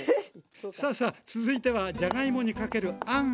さあさあ続いてはじゃがいもにかけるあんをつくります。